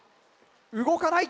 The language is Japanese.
動かない。